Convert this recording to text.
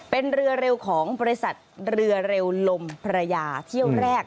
เป็นเรือเร็วของบริษัทเรือเร็วลมพระยาเที่ยวแรก